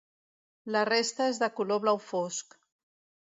La resta és de color blau fosc.